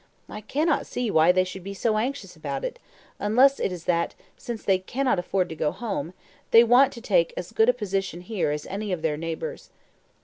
I cannot see why they should be so anxious about it, unless it is that, since they cannot afford to go home, they want to take as good a position here as any of their neighbours.